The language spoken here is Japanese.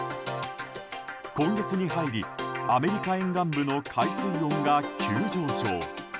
今月に入り、アメリカ沿岸部の海水温が急上昇。